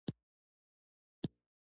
ویل یې دلته د ډېرو خلکو سینې سوري سوري دي.